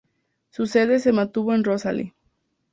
Su sede se mantuvo en Rosalie.